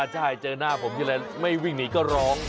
ใช่เจอหน้าผมทีไรไม่วิ่งหนีก็ร้อง